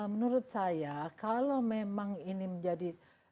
menurut saya kalau memang ini menjadi